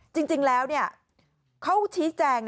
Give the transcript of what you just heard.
จริงแล้วเขาชี้แจง